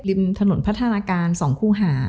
ริมถนนพัฒนาการ๒คู่หา